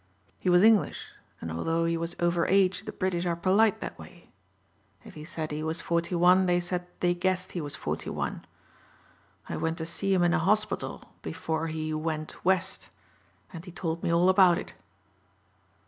He was English and although he was over age the British are polite that way. If he said he was forty one they said they guessed he was forty one. I went to see him in a hospital before he 'went west' and he told me all about it."